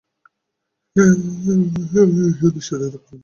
ঠেকাতে গেলে তাঁর মা-বাবাসহ পরিবারের অন্য সদস্যদের ধাক্কা দিয়ে ফেলে দেন।